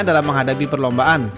dalam menghadapi perlombaan